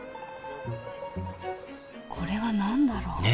これは何だろう？ねえ